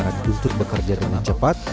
namun karena dituntut bekerja dengan cepat